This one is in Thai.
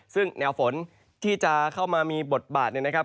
ซึ่งแนวฝนที่จะเข้ามามีบทบาทเนี่ยนะครับ